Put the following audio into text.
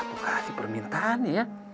aduh kagak kasih permintaan ya